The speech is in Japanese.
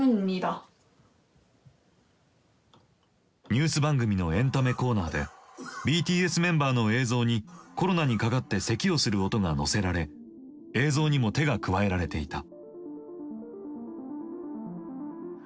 ニュース番組のエンタメコーナーでＢＴＳメンバーの映像にコロナにかかって咳をする音が乗せられ映像にも手が加えられていた。